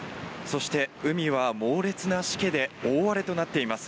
そして、海は猛烈なしけで大荒れとなっています。